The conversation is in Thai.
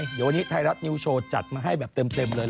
เดี๋ยววันนี้ไทยรัฐนิวโชว์จัดมาให้แบบเต็มเลย